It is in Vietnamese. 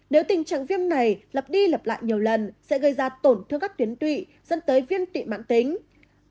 nếu tình trạng viêm này lập đi lập lại nhiều lần sẽ gây ra tổn thương các tiến tụy dẫn tới viên tụy mạng tính